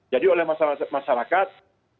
jadi oleh masyarakat